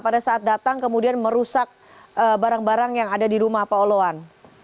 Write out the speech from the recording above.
pada saat datang kemudian merusak barang barang yang ada di rumah pak oloan